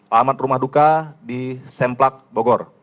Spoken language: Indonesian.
alamat rumah duka di semplak bogor